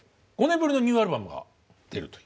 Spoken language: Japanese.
５年ぶりのニューアルバムが出ると。